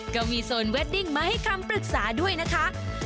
ก็มีโซนเวดดิ้งมาให้คำปรึกษาด้วยนะคะ